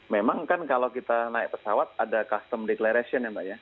memang kan kalau kita naik pesawat ada custom declaration ya mbak ya